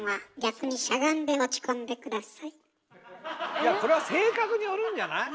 いやこれは性格によるんじゃない？